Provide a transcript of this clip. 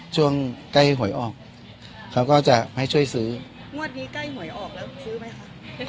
ช่วงใกล้หวยออกเขาก็จะให้ช่วยซื้องวดนี้ใกล้หวยออกแล้วซื้อไหมคะ